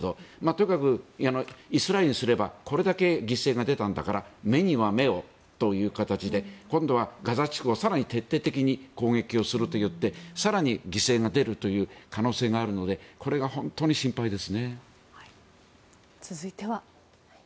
とにかくイスラエルにすればこれだけ犠牲が出たんだから目には目をという形で今度はガザ地区を更に徹底的に攻撃をすると言って更に犠牲が出るという可能性があるので続いては。